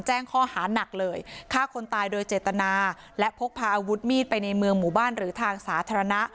แจ้งข้อหานักเลยฆ่าคนตายโดยเจตนาและพกพาอาวุธมีดไปในเมืองหมู่บ้านหรือทางสาธารณะ